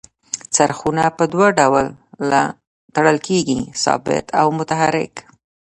څرخونه په دوه ډوله تړل کیږي ثابت او متحرک.